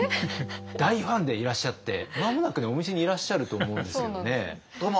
大ファンでいらっしゃって間もなくお店にいらっしゃると思うんですけどね。